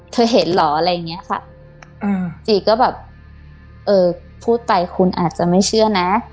เธอเห็นเหรออะไรอย่างเงี้ยค่ะอืมจีก็แบบเออพูดไปคุณอาจจะไม่เชื่อนะ